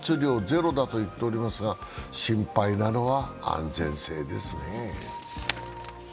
ゼロだと言っておりますが心配なのは、安全性ですね。